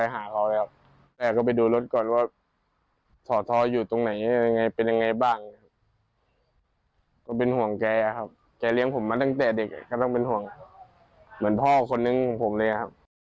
เหมือนพ่อคนนึงของผมเลยครับ